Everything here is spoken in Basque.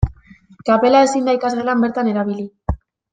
Kapela ezin da ikasgelan bertan erabili.